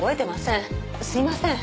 すいません。